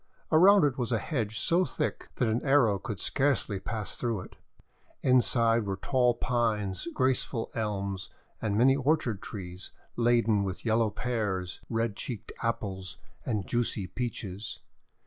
Around it was a hedge so thick that an arrow could scarcely pass through it. Inside were tall Pines, graceful Elms, and many orchard trees laden with yellow Pears, red cheeked Apples, and juicy Peaches.